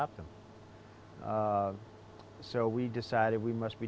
jadi kami memutuskan kita harus melakukan sesuatu yang benar